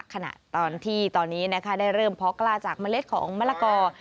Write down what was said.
ขณะตอนที่ตอนนี้นะคะได้เริ่มเพาะกล้าจากเมล็ดของมะละกอ